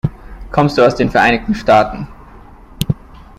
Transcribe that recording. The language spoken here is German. Kommst du aus den Vereinigten Staaten?